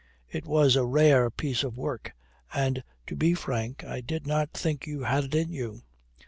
It was a rare piece of work, and to be frank, I did not think you had it in you.